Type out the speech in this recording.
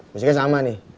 musiknya sama nih